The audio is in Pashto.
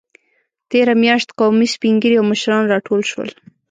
تېره میاشت قومي سپینږیري او مشران راټول شول.